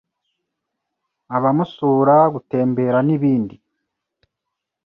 akamusura, gutembera n’ibindi.